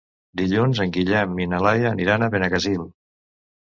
Dilluns en Guillem i na Laia aniran a Benaguasil.